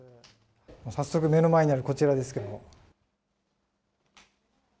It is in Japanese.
早速目の前にあるこちらですけれども。